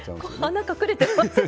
穴隠れてますね。